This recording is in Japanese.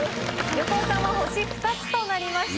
横尾さんは星２つとなりました。